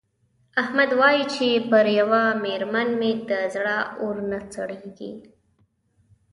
احمد وايې چې پر یوه مېرمن مې د زړه اور نه سړېږي.